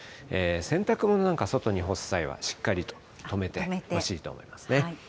洗濯ものなんか外に干す際はしっかりと留めてほしいと思いますね。